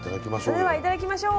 それでは頂きましょう！